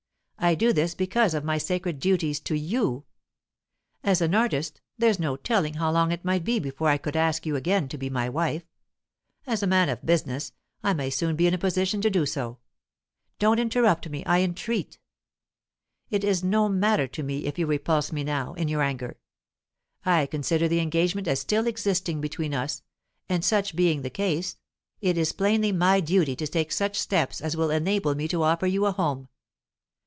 I do this because of my sacred duties to you. As an artist, there's no telling how long it might be before I could ask you again to be my wife; as a man of business, I may soon be in a position to do so. Don't interrupt me, I entreat! It is no matter to me if you repulse me now, in your anger. I consider the engagement as still existing between us, and, such being the ease, it is plainly my duty to take such steps as will enable me to offer you a home.